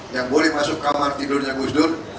yang boleh masuk kamar tidurnya gus dur